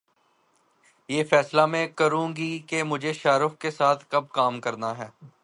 یہ فیصلہ میں کروں گی کہ مجھے شاہ رخ کے ساتھ کب کام کرنا ہے